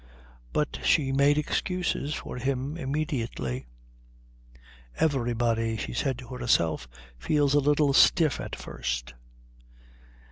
But she made excuses for him immediately. "Everybody," she said to herself, "feels a little stiff at first."...